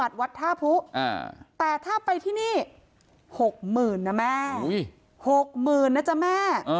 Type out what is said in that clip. แต่ถ้าไปที่นี่๖๐๐๐๐บาทน่ะแม่๖๐๐๐๐บาทน่ะจ้าแม่